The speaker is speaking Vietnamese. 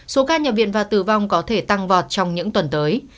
số ca nhập viện và tử vong có thể tăng vọt trong những tuần tới